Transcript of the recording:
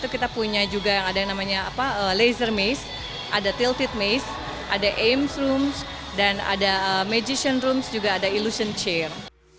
kita punya juga yang ada yang namanya laser maze ada tilted maze ada aims room dan ada magician room juga ada illusion chair